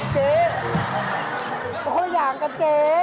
เจ๊มันคนละอย่างกันเจ๊